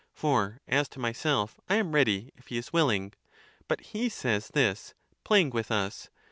For, as to myself, I am ready, if he is willing. But he says this, playing with us.